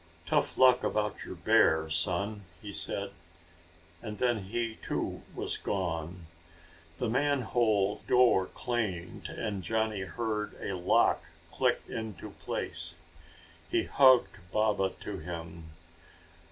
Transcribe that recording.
"Tough luck about your bear, son," he said, and then he, too, was gone. The manhole door clanged and Johnny heard a lock click into place. He hugged Baba to him.